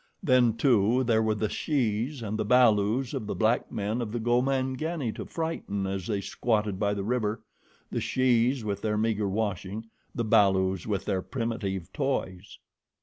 Then, too, there were the shes and the balus of the black men of the Gomangani to frighten as they squatted by the river, the shes with their meager washing, the balus with their primitive toys.